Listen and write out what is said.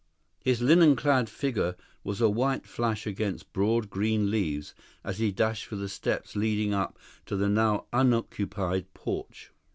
His linen clad figure was a white flash against broad green leaves as he dashed for the steps leading up to the now unoccupied porch.